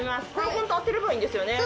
当てればいいんですよね？